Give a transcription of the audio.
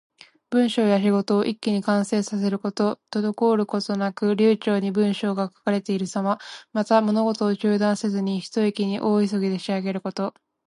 文章や仕事を一気に完成させること。滞ることなく流暢に文章が書かれているさま。また、物事を中断せずに、ひと息に大急ぎで仕上げること。